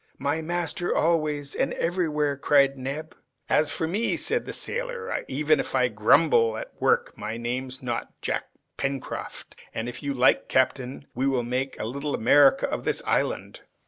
"My master always, and everywhere!" cried Neb. "As for me," said the sailor, "if I ever grumble at work, my name's not Jack Pencroft, and if you like, captain, we will make a little America of this island!